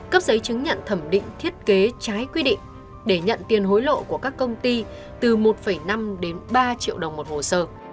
cấp giấy chứng nhận thẩm định thiết kế trái quy định để nhận tiền hối lộ của các công ty từ một năm đến ba triệu đồng một hồ sơ